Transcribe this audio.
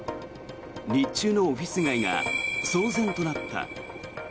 日中のオフィス街が騒然となった。